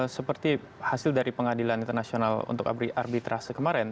seperti hasil dari pengadilan internasional untuk arbitrase kemarin